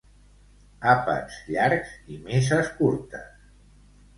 Àpats llargs i misses curtes.